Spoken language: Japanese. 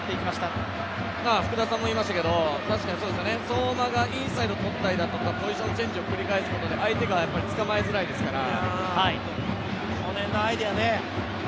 相馬がインサイドをとったりだとかポジションチェンジを繰り返すことで相手がつかまえづらいですから。